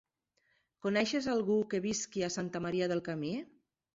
Coneixes algú que visqui a Santa Maria del Camí?